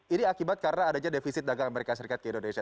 ini akibat karena adanya defisit dagang amerika serikat ke indonesia